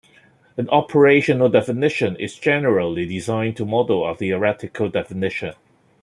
An operational definition is generally designed to model a theoretical definition.